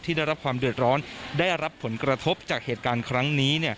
ได้รับความเดือดร้อนได้รับผลกระทบจากเหตุการณ์ครั้งนี้